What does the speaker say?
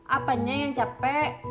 apanya yang capek